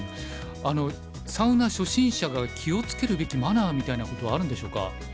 サウナ初心者が気を付けるべきマナーみたいなことはあるんでしょうか。